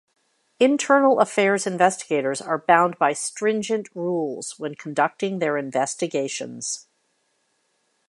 Internal affairs investigators are bound by stringent rules when conducting their investigations.